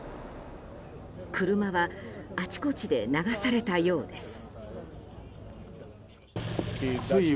車は、あちこちで流されたようです。